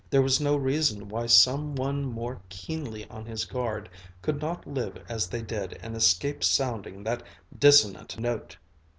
There was no reason why some one more keenly on his guard could not live as they did and escape sounding that dissonant note!